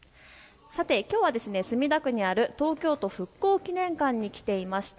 きょうは墨田区にある東京都復興記念館に来ていまして